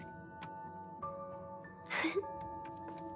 フフフッ。